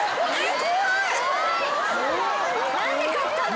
何で買ったの？